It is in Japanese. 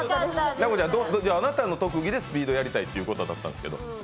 あなたの特技でスピードやりたいってことだったんですけど。